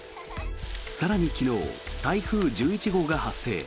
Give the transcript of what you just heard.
更に、昨日台風１１号が発生。